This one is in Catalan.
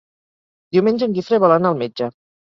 Diumenge en Guifré vol anar al metge.